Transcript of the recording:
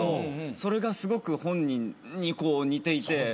それがすごく本人に似ていて。